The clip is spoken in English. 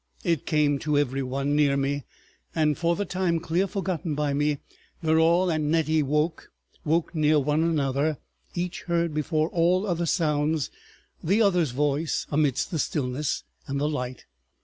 It came to every one. Near me, and for the time, clear forgotten by me, Verrall and Nettie woke—woke near one another, each heard before all other sounds the other's voice amidst the stillness, and the light.